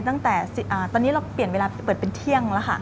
ตั้งแต่ตอนนี้เราเปลี่ยนเวลาเปิดเป็นเที่ยงแล้วค่ะ